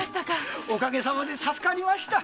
おかげさまで助かりました。